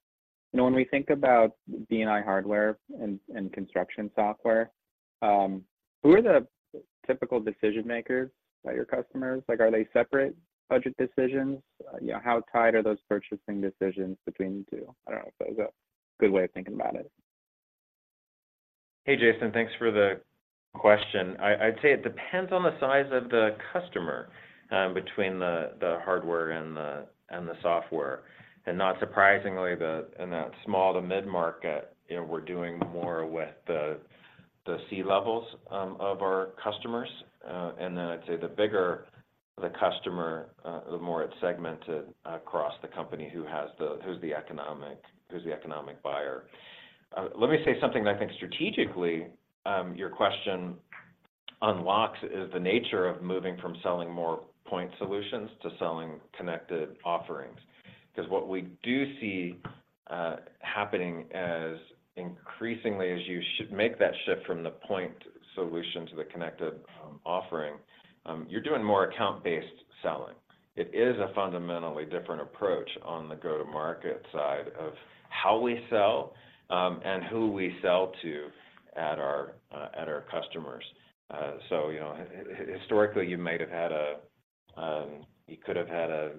know, when we think about B&I hardware and construction software, who are the typical decision-makers are your customers? Like, are they separate budget decisions? Yeah, how tight are those purchasing decisions between the two? I don't know if that is a good way of thinking about it. Hey, Jason, thanks for the question. I'd say it depends on the size of the customer between the hardware and the software. And not surprisingly, in the small to mid-market, you know, we're doing more with the C-levels of our customers. And then I'd say the bigger the customer, the more it's segmented across the company, who's the economic buyer. Let me say something that I think strategically your question unlocks, is the nature of moving from selling more point solutions to selling connected offerings. Because what we do see happening increasingly as you make that shift from the point solution to the connected offering, you're doing more account-based selling. It is a fundamentally different approach on the go-to-market side of how we sell and who we sell to at our customers. So, you know, historically, you could have had a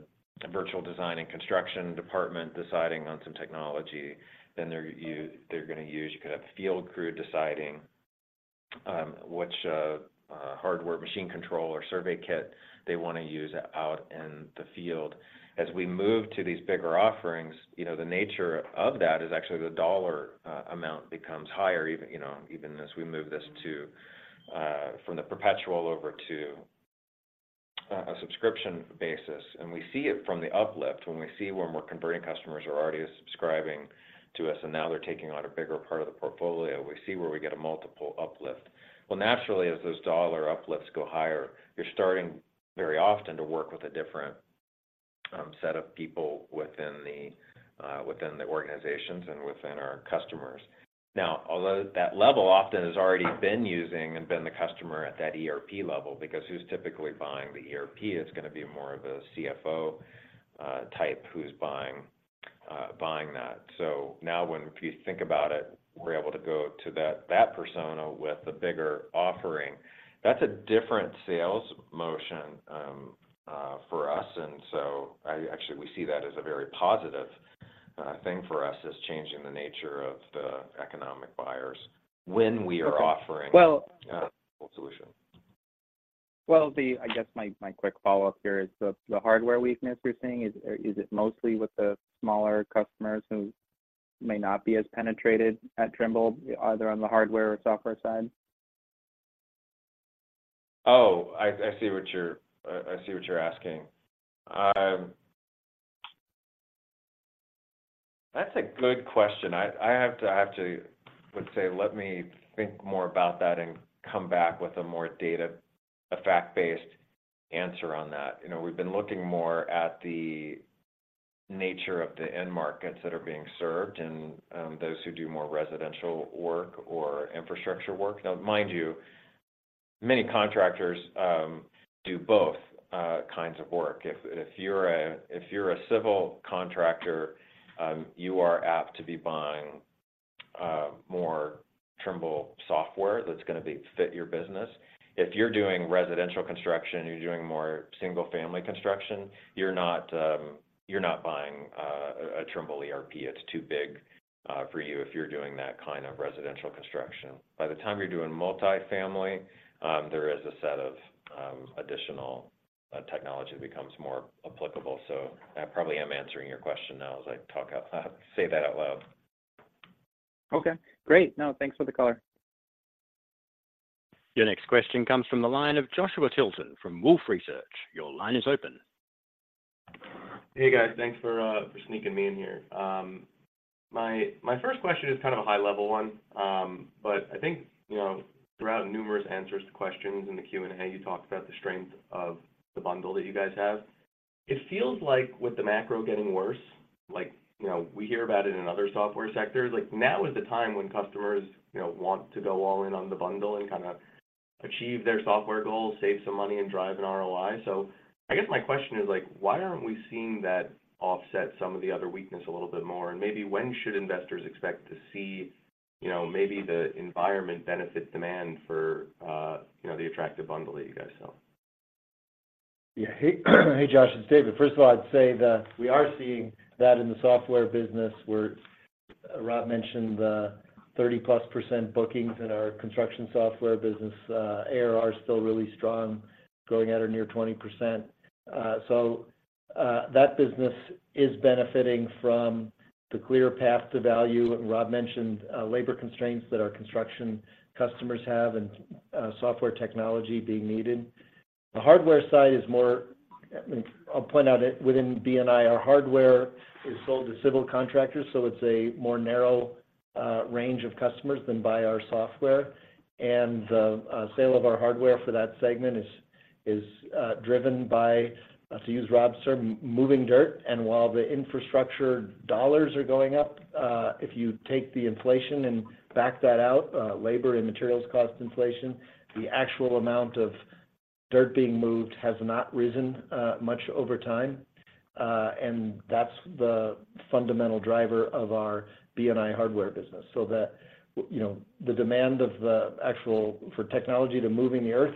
virtual design and construction department deciding on some technology, then they're gonna use. You could have field crew deciding which hardware, machine control, or survey kit they wanna use out in the field. As we move to these bigger offerings, you know, the nature of that is actually the dollar amount becomes higher, even, you know, even as we move this to from the perpetual over to a subscription basis. We see it from the uplift, when we're converting customers who are already subscribing to us, and now they're taking on a bigger part of the portfolio, we see where we get a multiple uplift. Well, naturally, as those dollar uplifts go higher, you're starting very often to work with a different set of people within the organizations and within our customers. Now, although that level often has already been using and been the customer at that ERP level, because who's typically buying the ERP is gonna be more of a CFO type, who's buying that. So now, if you think about it, we're able to go to that persona with a bigger offering. That's a different sales motion for us, and so actually, we see that as a very positive thing for us, is changing the nature of the economic buyers when we are offering- Well- -uh, solution. Well, I guess my quick follow-up here is the hardware weakness we're seeing, is it mostly with the smaller customers who may not be as penetrated at Trimble, either on the hardware or software side? Oh, I see what you're asking. That's a good question. I have to say, let me think more about that and come back with more data, fact-based answer on that. You know, we've been looking more at the nature of the end markets that are being served, and those who do more residential work or infrastructure work. Now, mind you, many contractors do both kinds of work. If you're a civil contractor, you are apt to be buying more Trimble software that's gonna be fit your business. If you're doing residential construction, you're doing more single-family construction, you're not buying a Trimble ERP. It's too big for you if you're doing that kind of residential construction. By the time you're doing multifamily, there is a set of additional technology becomes more applicable. So I probably am answering your question now as I talk out, say that out loud. Okay, great. No, thanks for the color. Your next question comes from the line of Joshua Tilton from Wolfe Research. Your line is open. Hey, guys. Thanks for sneaking me in here. My first question is kind of a high-level one. But I think, you know, throughout numerous answers to questions in the Q&A, you talked about the strength of the bundle that you guys have. It feels like with the macro getting worse, like, you know, we hear about it in other software sectors, like, now is the time when customers, you know, want to go all in on the bundle and kinda achieve their software goals, save some money, and drive an ROI. So I guess my question is, like, why aren't we seeing that offset some of the other weakness a little bit more? And maybe when should investors expect to see, you know, maybe the environment benefit demand for, you know, the attractive bundle that you guys sell? Yeah. Hey, hey, Josh, it's David. First of all, I'd say that we are seeing that in the software business, where Rob mentioned the 30+% bookings in our construction software business. ARR are still really strong, growing at or near 20%. So, that business is benefiting from the clear path to value. Rob mentioned labor constraints that our construction customers have and software technology being needed. The hardware side is more. I'll point out that within B&I, our hardware is sold to civil contractors, so it's a more narrow range of customers than by our software. And the sale of our hardware for that segment is driven by. To use Rob's term, moving dirt. While the infrastructure dollars are going up, if you take the inflation and back that out, labor and materials cost inflation, the actual amount of dirt being moved has not risen much over time. That's the fundamental driver of our B&I hardware business. So, you know, the demand for the actual technology for moving the earth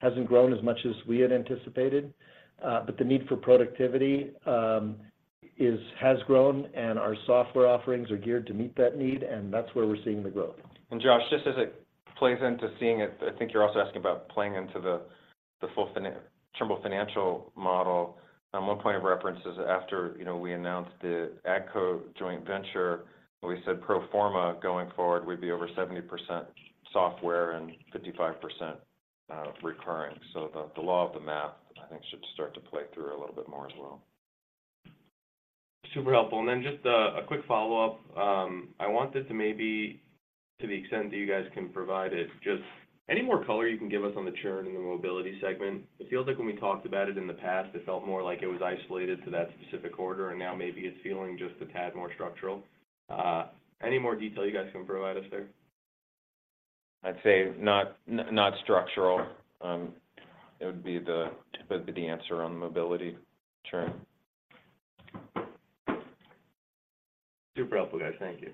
hasn't grown as much as we had anticipated. But the need for productivity has grown, and our software offerings are geared to meet that need, and that's where we're seeing the growth. And Josh, just as it plays into seeing it, I think you're also asking about playing into the full Trimble financial model. One point of reference is after, you know, we announced the AGCO joint venture, we said pro forma going forward would be over 70% software and 55% recurring. So the law of the math, I think, should start to play through a little bit more as well. Super helpful. And then just a quick follow-up. I wanted to maybe, to the extent that you guys can provide it, just any more color you can give us on the churn in the mobility segment? It feels like when we talked about it in the past, it felt more like it was isolated to that specific order, and now maybe it's feeling just a tad more structural. Any more detail you guys can provide us there? I'd say not, not structural. It would be, that'd be the answer on mobility churn. Super helpful, guys. Thank you.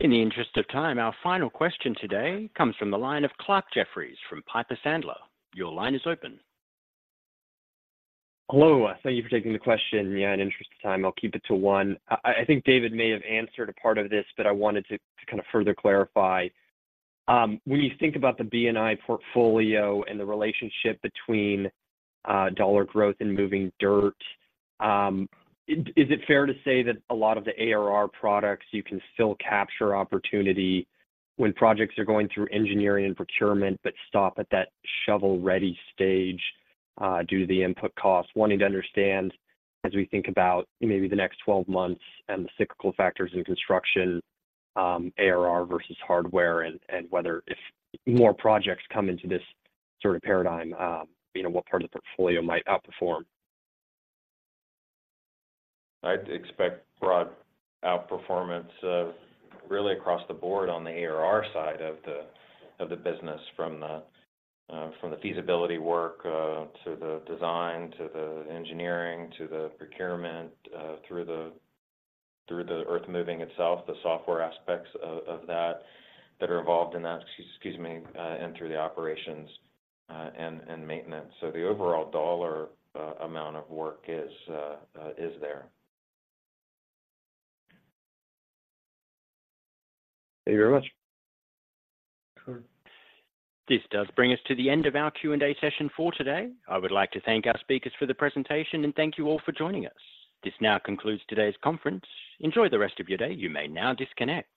In the interest of time, our final question today comes from the line of Clarke Jeffries from Piper Sandler. Your line is open. Hello, thank you for taking the question. Yeah, in the interest of time, I'll keep it to one. I think David may have answered a part of this, but I wanted to kind of further clarify. When you think about the B&I portfolio and the relationship between dollar growth and moving dirt, is it fair to say that a lot of the ARR products, you can still capture opportunity when projects are going through engineering and procurement, but stop at that shovel-ready stage due to the input costs? Wanting to understand, as we think about maybe the next 12 months and the cyclical factors in construction, ARR versus hardware, and whether if more projects come into this sort of paradigm, you know, what part of the portfolio might outperform? I'd expect broad outperformance, really across the board on the ARR side of the business, from the feasibility work to the design, to the engineering, to the procurement, through the earthmoving itself, the software aspects of that that are involved in that. Excuse me, and through the operations and maintenance. So the overall dollar amount of work is there. Thank you very much. This does bring us to the end of our Q&A session for today. I would like to thank our speakers for the presentation, and thank you all for joining us. This now concludes today's conference. Enjoy the rest of your day. You may now disconnect.